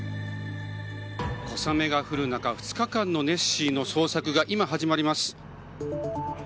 小雨が降る中２日間のネッシーの捜索が今、始まります。